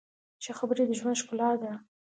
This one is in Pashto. ښه خبرې د ژوند ښکلا ده.